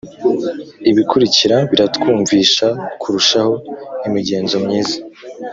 ibikurikira biratwumvisha kurushaho imigenzo myiza